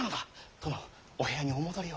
殿お部屋にお戻りを。